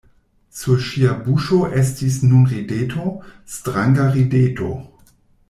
Sur ŝia buŝo estis nun rideto, stranga rideto!